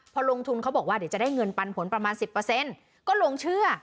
พอลงทุนเขาบอกว่าเดี๋ยวจะได้เงินปันผลประมาณสิบเปอร์เซ็นต์ก็ลงเชื่อ